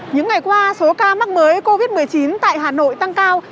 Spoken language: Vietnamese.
những ngày qua số ca mắc mới covid một mươi chín tại hà nội tăng cao